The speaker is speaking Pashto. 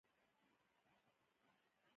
ایا زه باید پاوډر وکاروم؟